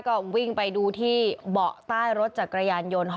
ก็วิ่งไปดูที่เบาะใต้รถจักรยานยนต์